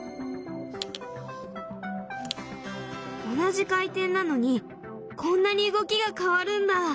同じ回転なのにこんなに動きが変わるんだ。